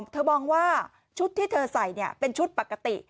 มองว่าชุดที่เธอใส่เป็นชุดปกติ